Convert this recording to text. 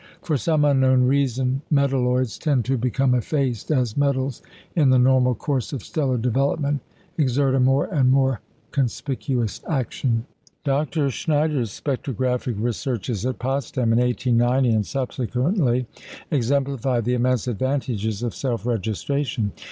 For some unknown reason, metalloids tend to become effaced, as metals, in the normal course of stellar development, exert a more and more conspicuous action. Dr. Scheiner's spectrographic researches at Potsdam in 1890 and subsequently, exemplify the immense advantages of self registration.